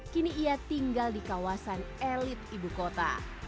kini ia tinggal di kawasan elit ibu kota